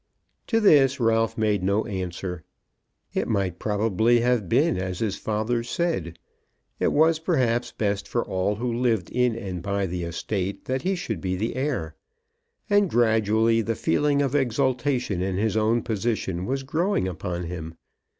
To this Ralph made no answer. It might probably have been as his father said. It was perhaps best for all who lived in and by the estate that he should be the heir. And gradually the feeling of exultation in his own position was growing upon him.